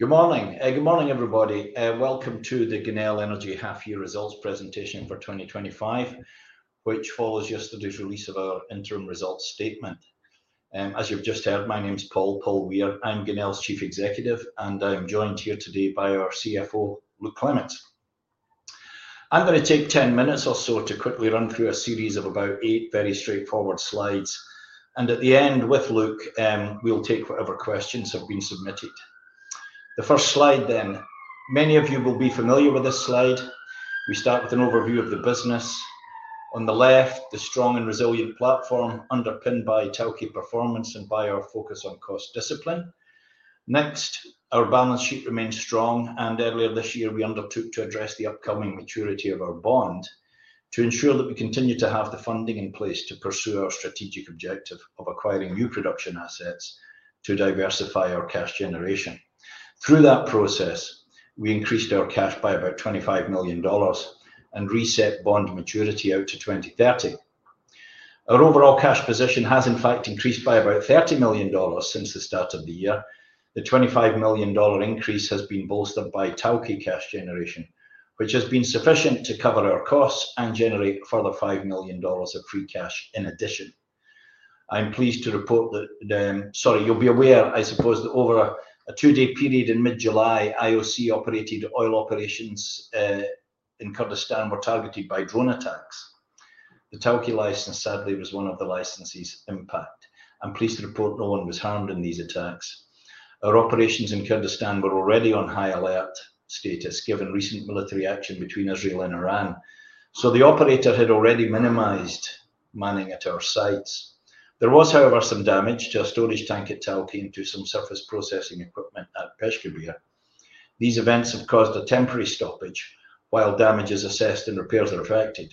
Good morning, good morning everybody. Welcome to the Genel Energy Half-Year Results Presentation For 2025, which follows yesterday's release of our Interim Results statement. As you've just heard, my name is Paul. Paul Weir, I'm Genel's Chief Executive Officer, and I'm joined here today by our CFO, Luke Clements. I'm going to take 10 minutes or so to quickly run through a series of about eight very straightforward slides, and at the end, with Luke, we'll take whatever questions have been submitted. The first slide then, many of you will be familiar with this slide. We start with an overview of the business. On the left, the strong and resilient platform underpinned by tough performance and by our focus on cost discipline. Next, our balance sheet remains strong, and earlier this year we undertook to address the upcoming maturity of our bond to ensure that we continue to have the funding in place to pursue our strategic objective of acquiring new production assets to diversify our cash generation. Through that process, we increased our cash by about $25 million and reset bond maturity out to 2030. Our overall cash position has, in fact, increased by about $30 million since the start of the year. The $25 million increase has been bolstered by tough cash generation, which has been sufficient to cover our costs and generate a further $5 million of free cash in addition. I'm pleased to report that, you'll be aware, I suppose, that over a two-day period in mid-July, IOC operated oil operations in Kurdistan were targeted by drone attacks. The Tawke license, sadly, was one of the licenses impacted. I'm pleased to report no one was harmed in these attacks. Our operations in Kurdistan were already on high alert status given recent military action between Israel and Iran, so the operator had already minimized manning at our sites. There was, however, some damage to a storage tank at Tawke due to some surface processing equipment at Peshkabir. These events have caused a temporary stoppage, while damage is assessed and repairs are effective.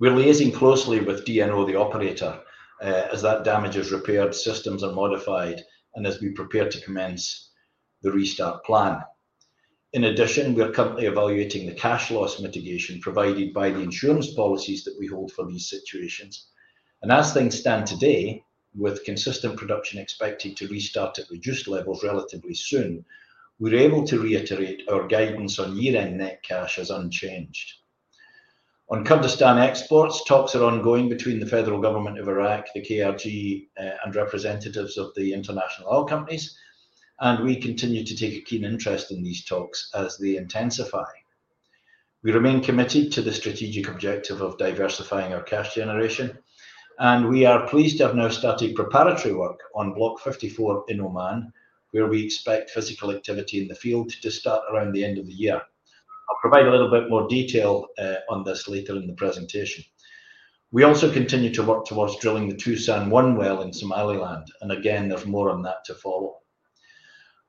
We're liaising closely with DNO, the operator, as that damage is repaired, systems are modified, and as we prepare to commence the restart plan. In addition, we're currently evaluating the cash loss mitigation provided by the insurance policies that we hold for these situations. As things stand today, with consistent production expected to restart at reduced levels relatively soon, we're able to reiterate our guidance on year-end net cash as unchanged. On Kurdistan exports, talks are ongoing between the Federal Government of Iraq, the KRG, and representatives of the international oil companies, and we continue to take a keen interest in these talks as they intensify. We remain committed to the strategic objective of diversifying our cash generation, and we are pleased to have now started preparatory work on Block 54 in Oman, where we expect physical activity in the field to start around the end of the year. I'll provide a little bit more detail on this later in the presentation. We also continue to work towards drilling the Tosan-1 well in Somaliland, and again, there's more on that to follow.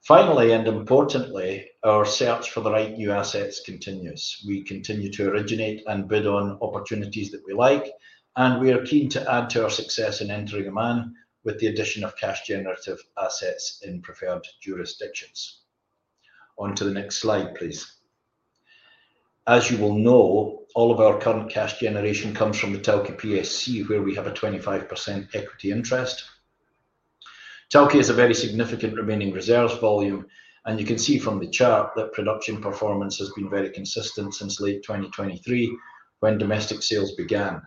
Finally, and importantly, our search for the right new assets continues. We continue to originate and bid on opportunities that we like, and we are keen to add to our success in entering Oman with the addition of cash-generative assets in preferred jurisdictions. On to the next slide, please. As you will know, all of our current cash generation comes from the Tawke PSC, where we have a 25% equity interest. Tawke has a very significant remaining reserve volume, and you can see from the chart that production performance has been very consistent since late 2023 when domestic sales began.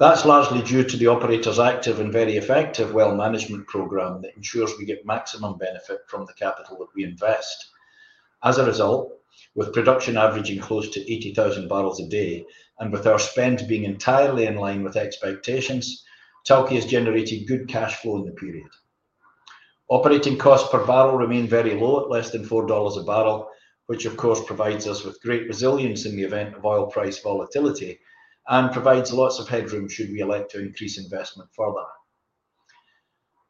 That's largely due to the operator's active and very effective well management program that ensures we get maximum benefit from the capital that we invest. As a result, with production averaging close to 80,000 bbl a day and with our spend being entirely in line with expectations, Tawke is generating good cash flow in the period. Operating costs per barrel remain very low at less than $4 a 1 bbl, which of course provides us with great resilience in the event of oil price volatility and provides lots of headroom should we elect to increase investment further.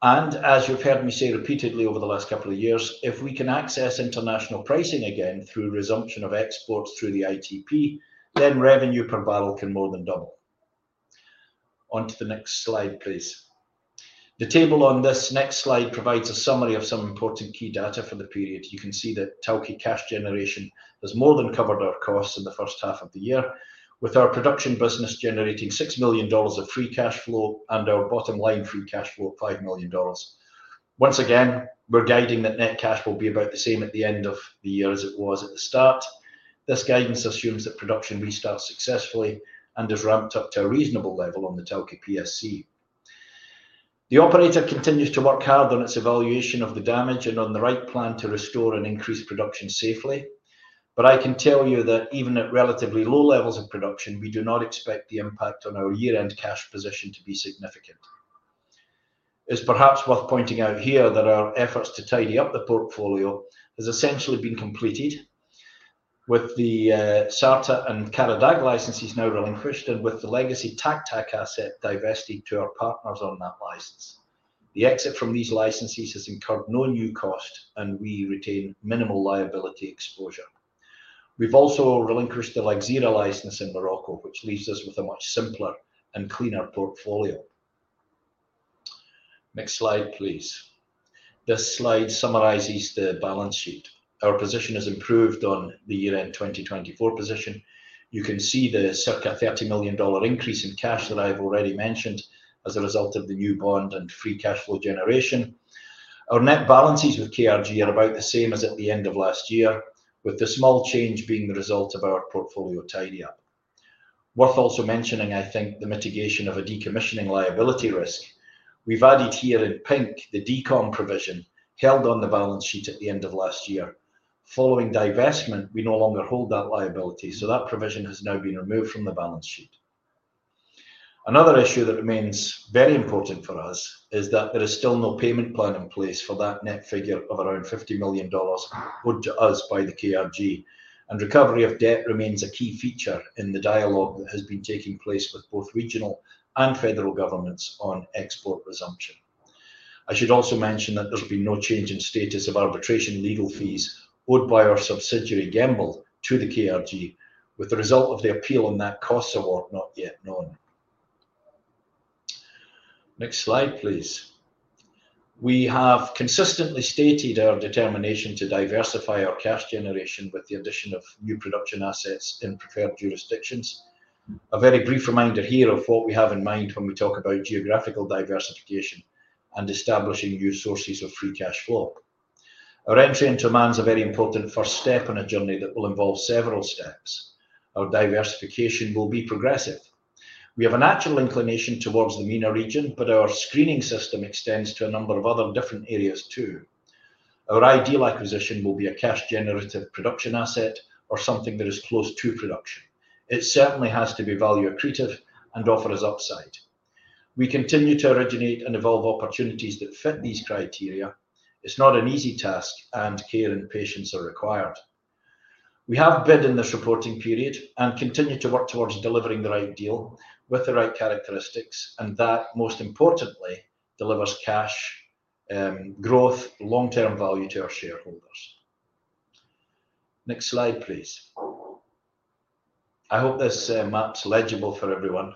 As you've heard me say repeatedly over the last couple of years, if we can access international pricing again through resumption of exports through the ITP, then revenue per barrel can more than double. On to the next slide, please. The table on this next slide provides a summary of some important key data for the period. You can see that Tawke cash generation has more than covered our costs in the first half of the year, with our production business generating $6 million of free cash flow and our bottom line free cash flow of $5 million. Once again, we're guiding that net cash will be about the same at the end of the year as it was at the start. This guidance assumes that production restarts successfully and is ramped up to a reasonable level on the Tawke PSC. The operator continues to work hard on its evaluation of the damage and on the right plan to restore and increase production safely, but I can tell you that even at relatively low levels of production, we do not expect the impact on our year-end cash position to be significant. It's perhaps worth pointing out here that our efforts to tidy up the portfolio have essentially been completed with the Sarta and Qara Dagh licenses now relinquished and with the legacy Taq Taq asset divested to our partners on that license. The exit from these licenses has incurred no new cost, and we retain minimal liability exposure. We've also relinquished the Lagzira license in Morocco, which leaves us with a much simpler and cleaner portfolio. Next slide, please. This slide summarizes the balance sheet. Our position has improved on the year-end 2023 position. You can see the circa $30 million increase in cash that I've already mentioned as a result of the new bond and free cash flow generation. Our net balances with KRG are about the same as at the end of last year, with the small change being the result of our portfolio tidy-up. Worth also mentioning, I think, the mitigation of a decommissioning liability risk. We've added here in pink the decomm provision held on the balance sheet at the end of last year. Following divestment, we no longer hold that liability, so that provision has now been removed from the balance sheet. Another issue that remains very important for us is that there is still no payment plan in place for that net figure of around $50 million owed to us by the KRG, and recovery of debt remains a key feature in the dialogue that has been taking place with both regional and federal governments on export resumption. I should also mention that there's been no change in status of arbitration legal fees owed by our subsidiary Genel to the KRG, with the result of the appeal on that cost support not yet known. Next slide, please. We have consistently stated our determination to diversify our cash generation with the addition of new production assets in preferred jurisdictions. A very brief reminder here of what we have in mind when we talk about geographical diversification and establishing new sources of free cash flow. Our entry into Oman is a very important first step on a journey that will involve several steps. Our diversification will be progressive. We have a natural inclination towards the MENA region, but our screening system extends to a number of other different areas too. Our ideal acquisition will be a cash-generative production asset or something that is close to production. It certainly has to be value accretive and offer us upside. We continue to originate and evolve opportunities that fit these criteria. It's not an easy task, and care and patience are required. We have bid in this reporting period and continue to work towards delivering the right deal with the right characteristics, and that most importantly delivers cash growth, long-term value to our shareholders. Next slide, please. I hope this map's legible for everyone.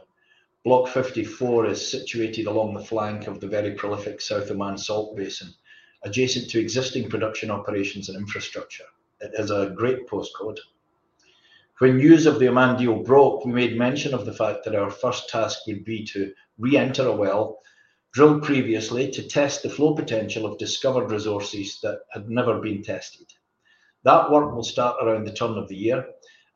Block 54 is situated along the flank of the very prolific South Oman Salt Basin, adjacent to existing production operations and infrastructure. It is a great postcode. When news of the Oman deal broke, we made mention of the fact that our first task would be to re-enter a well drilled previously to test the flow potential of discovered resources that had never been tested. That work will start around the turn of the year,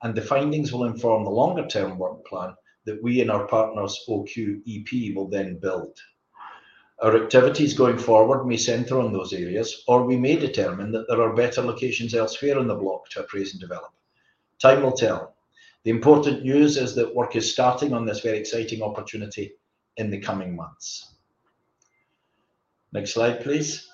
and the findings will inform a longer-term work plan that we and our partners OQEP will then build. Our activities going forward may center on those areas, or we may determine that there are better locations elsewhere on the block to appraise and develop. Time will tell. The important news is that work is starting on this very exciting opportunity in the coming months. Next slide, please.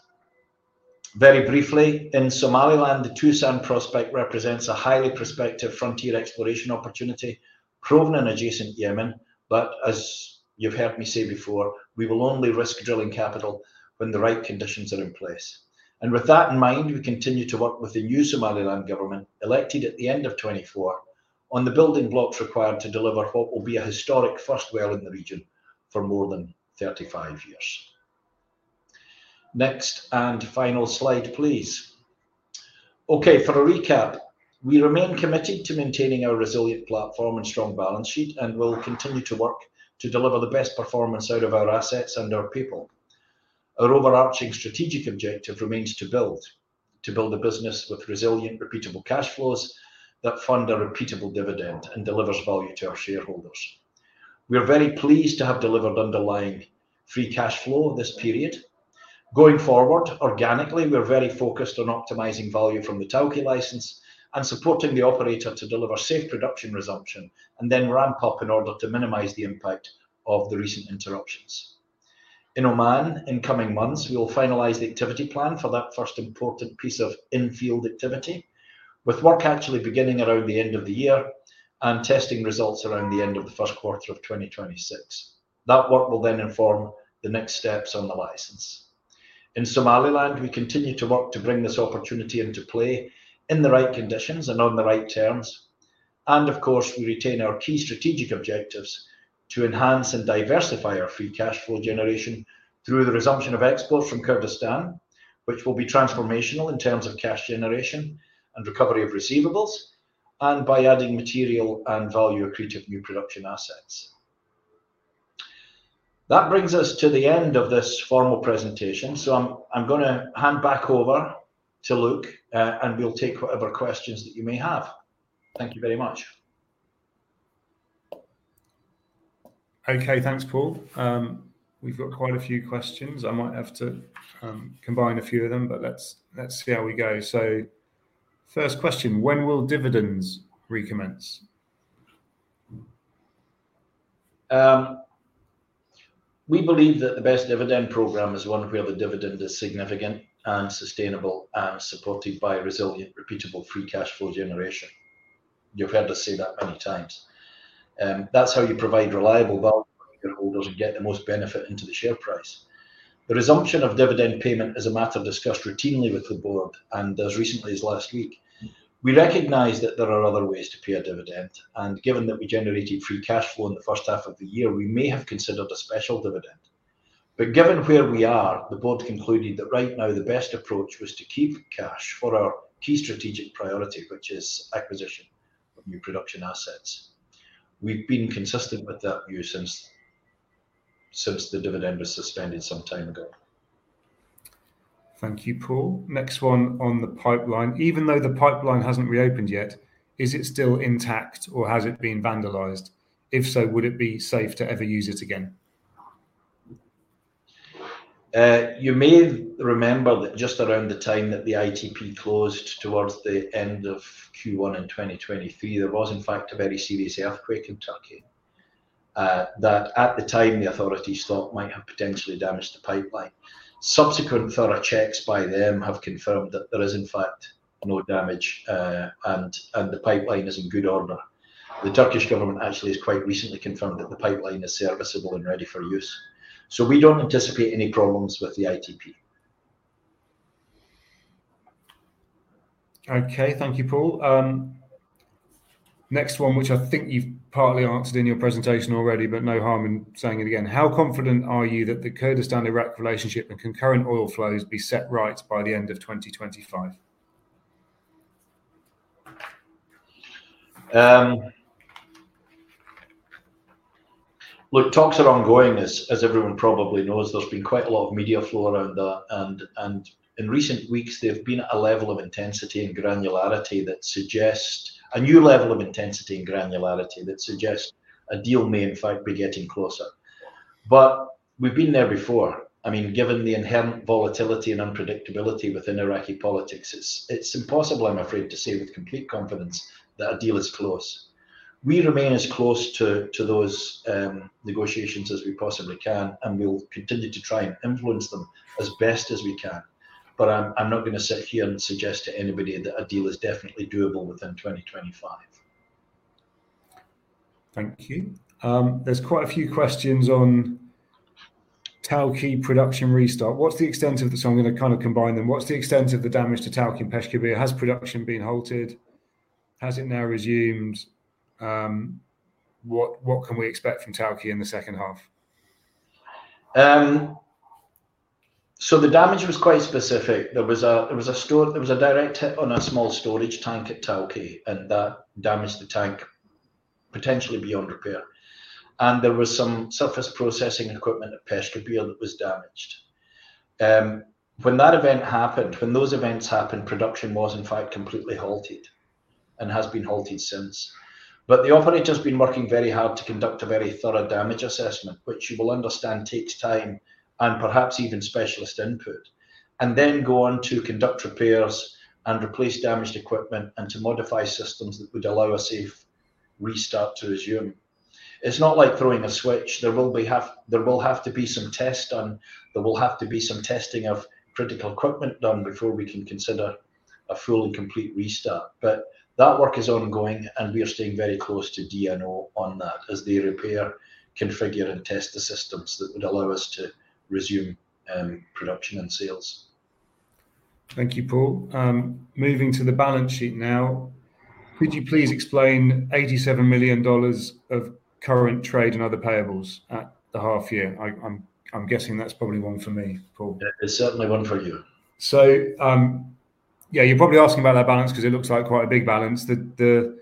Very briefly, in Somaliland, the Tosan prospect represents a highly prospective frontier exploration opportunity proven in adjacent Yemen, but as you've heard me say before, we will only risk drilling capital when the right conditions are in place. With that in mind, we continue to work with the new Somaliland government elected at the end of 2024 on the building blocks required to deliver what will be a historic first well in the region for more than 35 years. Next and final slide, please. Okay, for a recap, we remain committed to maintaining our resilient platform and strong balance sheet, and we'll continue to work to deliver the best performance out of our assets and our people. Our overarching strategic objective remains to build a business with resilient, repeatable cash flows that fund a repeatable dividend and deliver value to our shareholders. We're very pleased to have delivered underlying free cash flow of this period. Going forward, organically, we're very focused on optimizing value from the Tawke license and supporting the operator to deliver safe production resumption and then ramp up in order to minimize the impact of the recent interruptions. In Oman, in coming months, we'll finalize the activity plan for that first important piece of infield activity with work actually beginning around the end of the year and testing results around the end of the first quarter of 2026. That work will then inform the next steps on the license. In Somaliland, we continue to work to bring this opportunity into play in the right conditions and on the right terms, and of course, we retain our key strategic objectives to enhance and diversify our free cash flow generation through the resumption of exports from Kurdistan, which will be transformational in terms of cash generation and recovery of receivables, and by adding material and value-accretive new production assets. That brings us to the end of this formal presentation, so I'm going to hand back over to Luke, and we'll take whatever questions that you may have. Thank you very much. Okay, thanks, Paul. We've got quite a few questions. I might have to combine a few of them, but let's see how we go. First question, when will dividends recommence? We believe that the best dividend program is when the dividend is significant and sustainable and supported by resilient, repeatable free cash flow generation. You've heard us say that many times. That's how you provide reliable value if the holder doesn't get the most benefit into the share price. The resumption of dividend payment is a matter that's just routinely with the board, and as recently as last week, we recognize that there are other ways to pay a dividend, and given that we generated free cash flow in the first half of the year, we may have considered a special dividend. Given where we are, the board concluded that right now the best approach was to keep cash for our key strategic priority, which is acquisition of new production assets. We've been consistent with that view since the dividend was suspended some time ago. Thank you, Paul. Next one on the pipeline. Even though the pipeline hasn't reopened yet, is it still intact or has it been vandalized? If so, would it be safe to ever use it again? You may remember that just around the time that the ITP closed towards the end of Q1 in 2023, there was in fact a very serious earthquake in Turkey that at the time the authorities thought might have potentially damaged the pipeline. Subsequent thorough checks by them have confirmed that there is in fact no damage and the pipeline is in good order. The Turkish government actually has quite recently confirmed that the pipeline is serviceable and ready for use. We don't anticipate any problems with the ITP. Thank you, Paul. Next one, which I think you've partly answered in your presentation already, but no harm in saying it again. How confident are you that the Kurdistan-Iraq relationship and concurrent oil flows be set right by the end of 2025? Talks are ongoing, as everyone probably knows. There's been quite a lot of media flow around that, and in recent weeks, there's been a level of intensity and granularity that suggests a deal may in fact be getting closer. We've been there before. Given the inherent volatility and unpredictability within Iraqi politics, it's impossible, I'm afraid to say with complete confidence, that a deal is close. We remain as close to those negotiations as we possibly can, and we'll continue to try and influence them as best as we can. I'm not going to sit here and suggest to anybody that a deal is definitely doable within 2025. Thank you. There's quite a few questions on Tawke production restart. What's the extent of the, so I'm going to kind of combine them. What's the extent of the damage to Tawke in Peshkabir? Has production been halted? Has it now resumed? What can we expect from Tawke in the second half? The damage was quite specific. There was a direct hit on a small storage tank at Tawke, and that damaged the tank potentially beyond repair. There was some surface processing equipment at Peshkabir that was damaged. When that event happened, when those events happened, production was in fact completely halted and has been halted since. The operator's been working very hard to conduct a very thorough damage assessment, which you will understand takes time and perhaps even specialist input, and then go on to conduct repairs and replace damaged equipment and to modify systems that would allow a safe restart to resume. It's not like throwing a switch. There will have to be some tests done. There will have to be some testing of critical equipment done before we can consider a full and complete restart. That work is ongoing, and we are staying very close to DNO on that as they repair, configure, and test the systems that would allow us to resume production and sales. Thank you, Paul. Moving to the balance sheet now, could you please explain $87 million of current trade and other payables at the half year? I'm guessing that's probably one for me, Paul. It's certainly one for you. You're probably asking about that balance because it looks like quite a big balance. The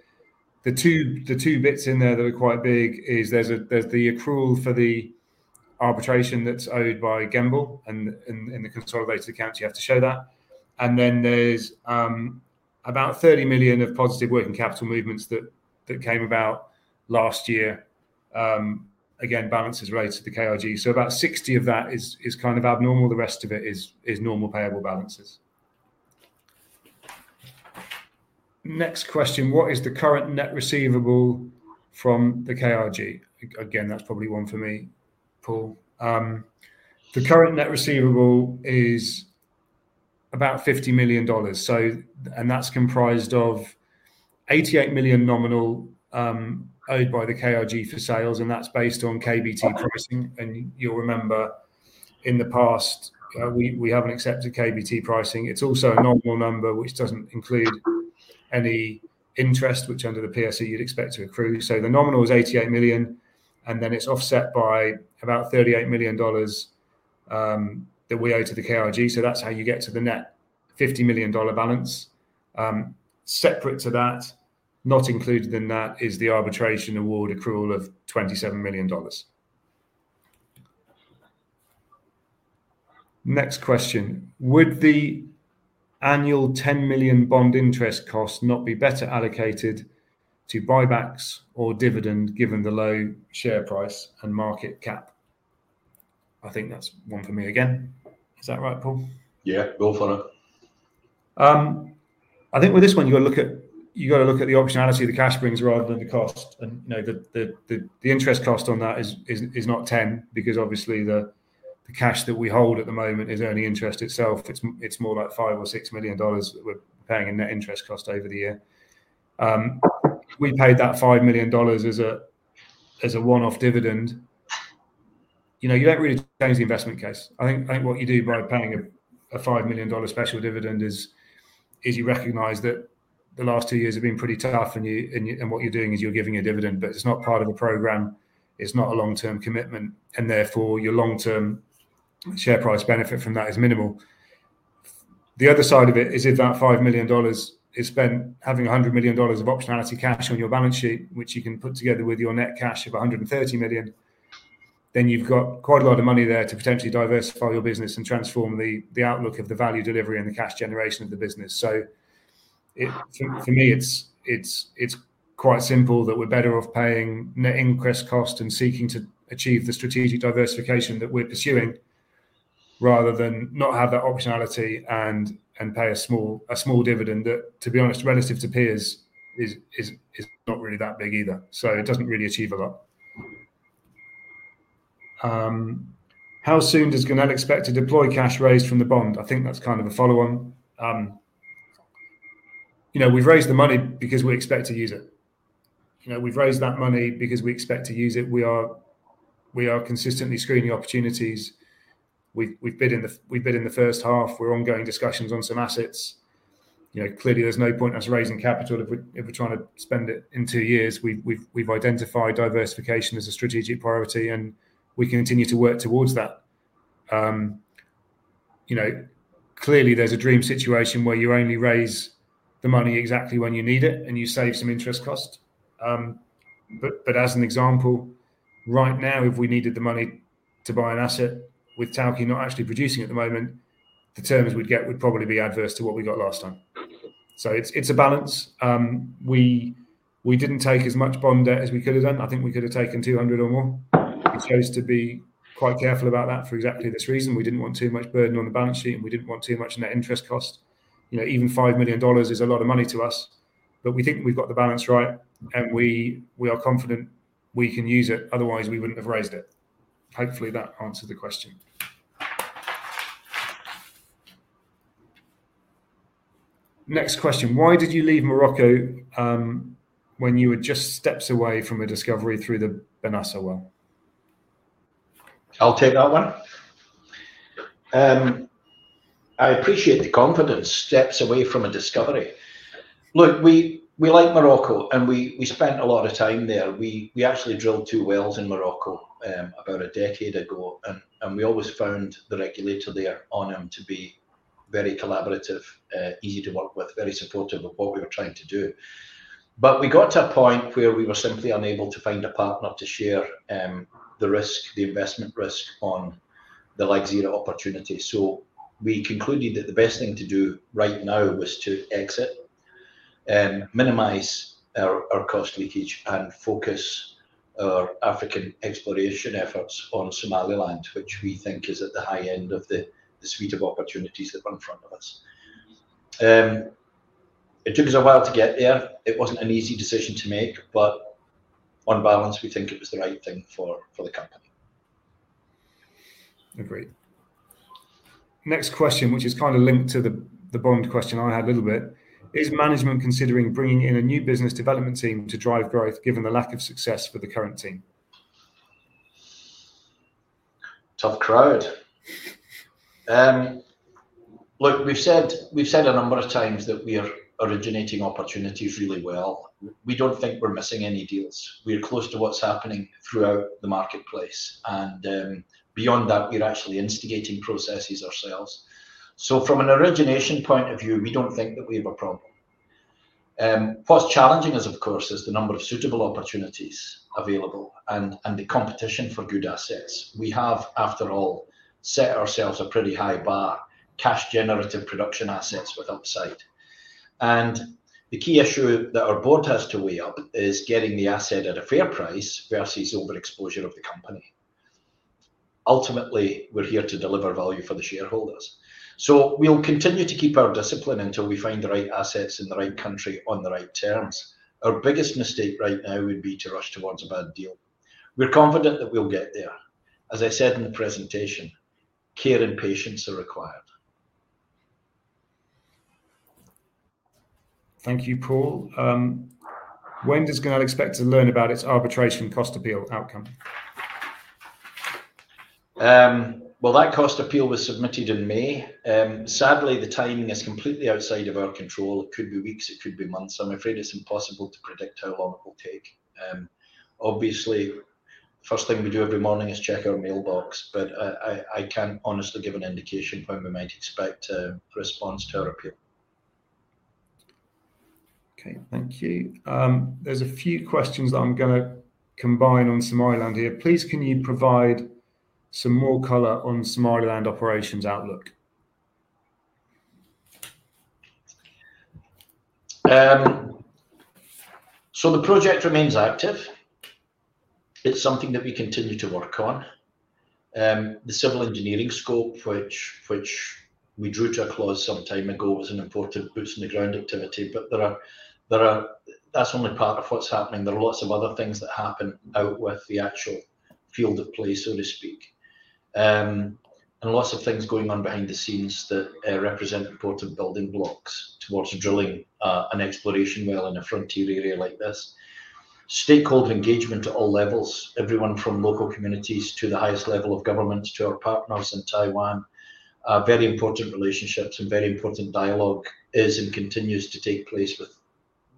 two bits in there that are quite big are the accrual for the arbitration that's owed by Genel, and in the consolidated account, you have to show that. There's about $30 million of positive working capital movements that came about last year. Again, balances related to the KRG. About $60 million of that is kind of abnormal. The rest of it is normal payable balances. Next question, what is the current net receivable from the KRG? Again, that's probably one for me, Paul. The current net receivable is about $50 million. That's comprised of $88 million nominal owed by the KRG for sales, and that's based on KBT pricing. You'll remember in the past, we haven't accepted KBT pricing. It's also a nominal number which doesn't include any interest, which under the PSC you'd expect to accrue. The nominal is $88 million, and then it's offset by about $38 million that we owe to the KRG. That's how you get to the net $50 million balance. Separate to that, not included in that, is the arbitration award accrual of $27 million. Next question, would the annual $10 million bond interest cost not be better allocated to buybacks or dividend given the low share price and market cap? I think that's one for me again. Is that right, Paul? Yeah, go for it. I think with this one, you've got to look at the optionality the cash brings rather than the cost. No, the interest cost on that is not $10 million because obviously the cash that we hold at the moment is only interest itself. It's more like $5 million or $6 million that we're paying in net interest cost over the year. We paid that $5 million as a one-off dividend. You know, you don't really change the investment case. What you do by paying a $5 million special dividend is you recognize that the last two years have been pretty tough, and what you're doing is you're giving a dividend, but it's not part of a program. It's not a long-term commitment, and therefore your long-term share price benefit from that is minimal. The other side of it is if that $5 million is spent having $100 million of optionality cash on your balance sheet, which you can put together with your net cash of $130 million, then you've got quite a lot of money there to potentially diversify your business and transform the outlook of the value delivery and the cash generation of the business. For me, it's quite simple that we're better off paying net interest cost and seeking to achieve the strategic diversification that we're pursuing rather than not have that optionality and pay a small dividend that, to be honest, relative to peers is not really that big either. It doesn't really achieve a lot. How soon does Genel expect to deploy cash raised from the bond? I think that's kind of a follow-on. We've raised the money because we expect to use it. We've raised that money because we expect to use it. We are consistently screening opportunities. We've bid in the first half. We're ongoing discussions on some assets. Clearly there's no point us raising capital if we're trying to spend it in two years. We've identified diversification as a strategic priority, and we can continue to work towards that. Clearly there's a dream situation where you only raise the money exactly when you need it, and you save some interest cost. As an example, right now, if we needed the money to buy an asset with Tawke not actually producing at the moment, the terms we'd get would probably be adverse to what we got last time. It's a balance. We didn't take as much bond debt as we could have done. I think we could have taken $200 million or more. It goes to be quite careful about that for exactly this reason. We didn't want too much burden on the balance sheet, and we didn't want too much net interest cost. You know, even $5 million is a lot of money to us, but we think we've got the balance right, and we are confident we can use it. Otherwise, we wouldn't have raised it. Hopefully, that answered the question. Next question, why did you leave Morocco when you were just steps away from a discovery through the Mousa well? I'll take that one. I appreciate the confidence. Steps away from a discovery. Look, we like Morocco, and we spent a lot of time there. We actually drilled two wells in Morocco about a decade ago, and we always found the regulator there to be very collaborative, easy to work with, very supportive of what we were trying to do. We got to a point where we were simply unable to find a partner to share the risk, the investment risk on the Lagzira opportunity. We concluded that the best thing to do right now was to exit, minimize our cost leakage, and focus our African exploration efforts on Somaliland, which we think is at the high end of the suite of opportunities that are in front of us. It took us a while to get there. It wasn't an easy decision to make, but on balance, we think it was the right thing for the company. Great. Next question, which is kind of linked to the bond question I had a little bit. Is management considering bringing in a new business development team to drive growth given the lack of success for the current team? Tough crowd. We've said a number of times that we are originating opportunities really well. We don't think we're missing any deals. We're close to what's happening throughout the marketplace, and beyond that, we're actually instigating processes ourselves. From an origination point of view, we don't think that we have a problem. What's challenging us, of course, is the number of suitable opportunities available and the competition for good assets. We have, after all, set ourselves a pretty high bar, cash-generative production assets with upside. The key issue that our board has to weigh up is getting the asset at a fair price versus overexposure of the company. Ultimately, we're here to deliver value for the shareholders. We'll continue to keep our discipline until we find the right assets in the right country on the right terms. Our biggest mistake right now would be to rush towards a bad deal. We're confident that we'll get there. As I said in the presentation, care and patience are required. Thank you, Paul. When does Genel expect to learn about its arbitration cost appeal outcome? That cost appeal was submitted in May. Sadly, the timing is completely outside of our control. It could be weeks, it could be months. I'm afraid it's impossible to predict how long it will take. Obviously, the first thing we do every morning is check our mailbox, but I can't honestly give an indication of when we might expect a response to our appeal. Thank you. There's a few questions that I'm going to combine on Somaliland here. Please, can you provide some more color on Somaliland operations outlook? The project remains active. It's something that we continue to work on. The civil engineering scope, for which we drew to a close some time ago, is an important boost in the ground activity, but that's only part of what's happening. There are lots of other things that happen outside the actual field of play, so to speak. Lots of things are going on behind the scenes that represent important building blocks towards drilling an exploration well in a frontier area like this. Stakeholder engagement at all levels, everyone from local communities to the highest level of governments to our partners in Taiwan, are very important relationships and very important dialogue is and continues to take place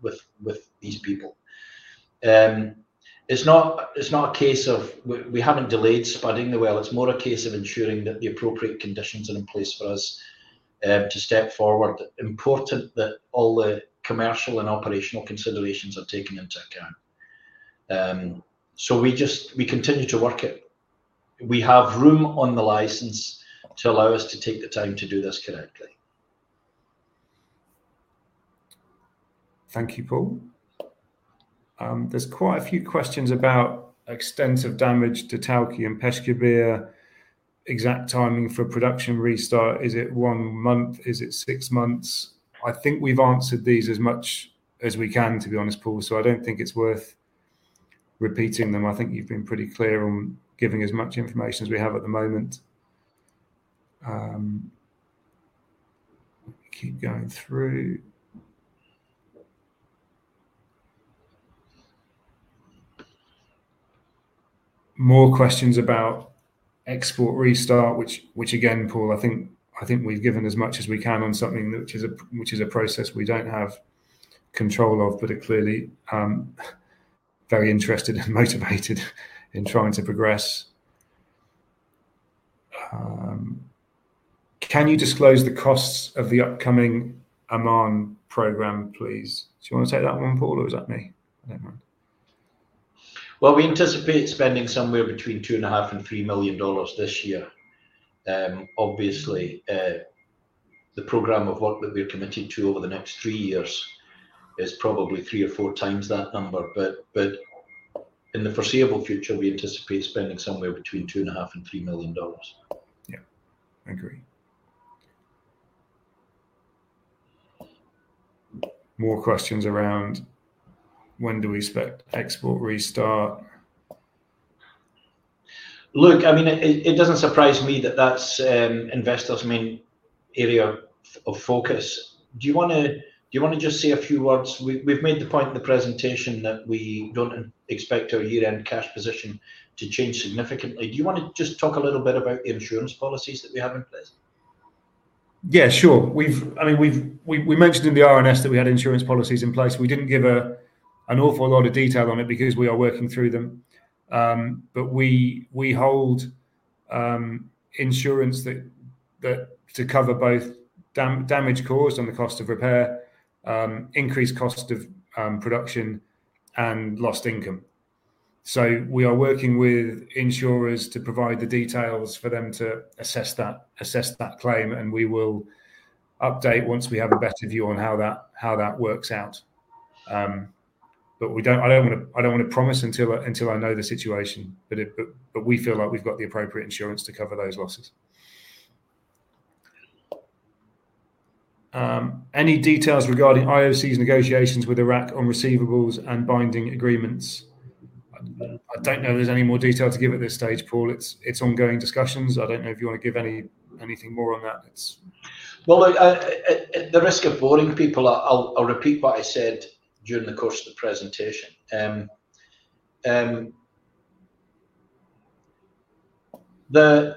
with these people. It's not a case of we haven't delayed spudding the well. It's more a case of ensuring that the appropriate conditions are in place for us to step forward. It's important that all the commercial and operational considerations are taken into account. We continue to work it. We have room on the license to allow us to take the time to do this correctly. Thank you, Paul. There's quite a few questions about extensive damage to Tawke and Peshkabir. Exact timing for production restart, is it one month? Is it six months? I think we've answered these as much as we can, to be honest, Paul. I don't think it's worth repeating them. I think you've been pretty clear on giving as much information as we have at the moment. Keep going through. More questions about export restart, which again, Paul, I think we've given as much as we can on something which is a process we don't have control of, but are clearly very interested and motivated in trying to progress. Can you disclose the costs of the upcoming Oman program, please? Do you want to take that one, Paul, or is that me? I don't mind. We anticipate spending somewhere between $2.5 million and $3 million this year. Obviously, the program of work that we're committed to over the next three years is probably 3x or 4x that number. In the foreseeable future, we anticipate spending somewhere between $2.5 million and $3 million. Yeah, I agree. More questions around when do we expect export restart? Look, I mean, it doesn't surprise me that that's investors' main area of focus. Do you want to just say a few words? We've made the point in the presentation that we don't expect our year-end cash position to change significantly. Do you want to just talk a little bit about the insurance policies that we have in place? Yeah, sure. We mentioned in the R&S that we had insurance policies in place. We didn't give an awful lot of detail on it because we are working through them. We hold insurance to cover both damage caused on the cost of repair, increased cost of production, and lost income. We are working with insurers to provide the details for them to assess that claim, and we will update once we have a better view on how that works out. I don't want to promise until I know the situation, but we feel like we've got the appropriate insurance to cover those losses. Any details regarding IOC's negotiations with Iraq on receivables and binding agreements? I don't know if there's any more detail to give at this stage, Paul. It's ongoing discussions. I don't know if you want to give anything more on that. At the risk of boring people, I'll repeat what I said during the course of the presentation. The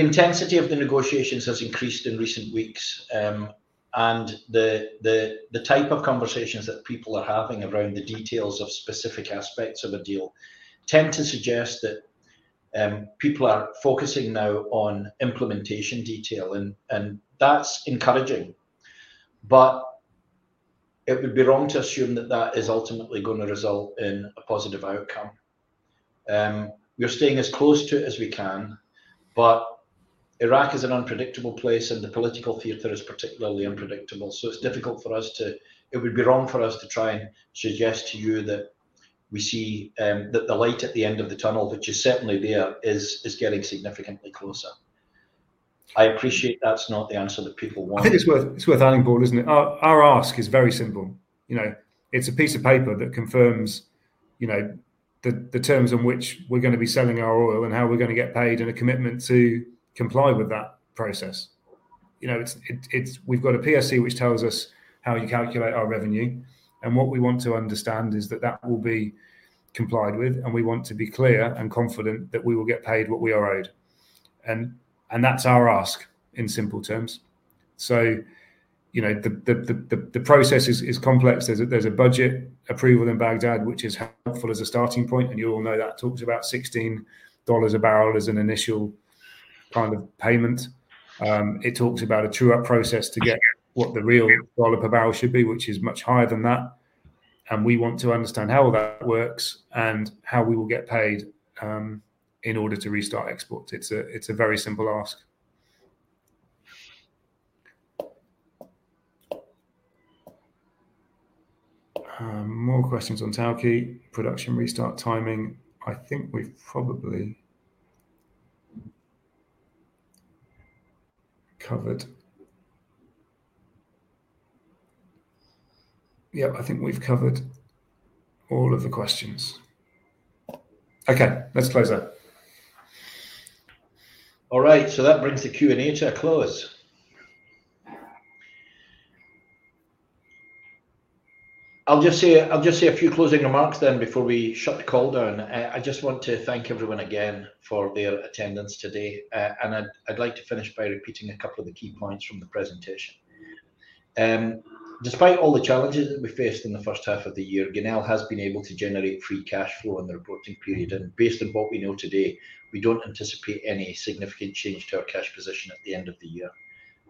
intensity of the negotiations has increased in recent weeks, and the type of conversations that people are having around the details of specific aspects of a deal tend to suggest that people are focusing now on implementation detail, and that's encouraging. It would be wrong to assume that that is ultimately going to result in a positive outcome. We're staying as close to it as we can, but Iraq is an unpredictable place, and the political theater is particularly unpredictable. It's difficult for us to, it would be wrong for us to try and suggest to you that we see that the light at the end of the tunnel, which is certainly there, is getting significantly closer. I appreciate that's not the answer that people want. It's worth adding, Paul, isn't it? Our ask is very simple. You know, it's a piece of paper that confirms the terms on which we're going to be selling our oil and how we're going to get paid and a commitment to comply with that process. We've got a PSC which tells us how you calculate our revenue, and what we want to understand is that that will be complied with, and we want to be clear and confident that we will get paid what we are owed. That's our ask in simple terms. The process is complex. There's a budget approval in Baghdad, which is helpful as a starting point, and you all know that talks about $16 a 1 bbl as an initial kind of payment. It talks about a true-up process to get what the real dollar per barrel should be, which is much higher than that. We want to understand how that works and how we will get paid in order to restart export. It's a very simple ask. More questions on Tawke production restart timing, I think we've probably covered. Yeah, I think we've covered all of the questions. Okay, let's close there. All right, so that brings the Q&A to a close. I'll just say a few closing remarks then before we shut the call down. I just want to thank everyone again for their attendance today, and I'd like to finish by repeating a couple of the key points from the presentation. Despite all the challenges that we faced in the first half of the year, Genel has been able to generate free cash flow in the reporting period, and based on what we know today, we don't anticipate any significant change to our cash position at the end of the year.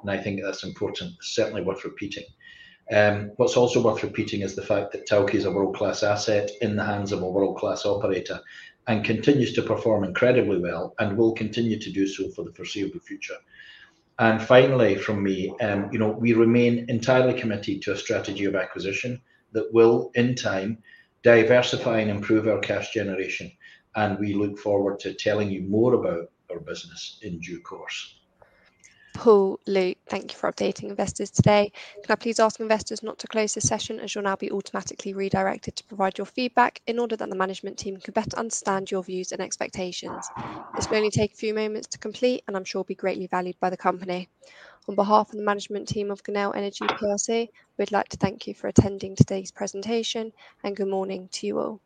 I think that's important. It's certainly worth repeating. What's also worth repeating is the fact that Tawke is a world-class asset in the hands of a world-class operator and continues to perform incredibly well and will continue to do so for the foreseeable future. Finally, from me, we remain entirely committed to a strategy of acquisition that will, in time, diversify and improve our cash generation, and we look forward to telling you more about our business in due course. Paul, Luke, thank you for updating investors today. Now, please ask investors not to close the session as you'll now be automatically redirected to provide your feedback in order that the management team can better understand your views and expectations. This will only take a few moments to complete, and I'm sure it will be greatly valued by the company. On behalf of the management team of Genel Energy PLC., we'd like to thank you for attending today's presentation, and good morning to you all.